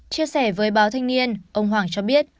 chia sẻ với báo thanh niên ông hoàng cho biết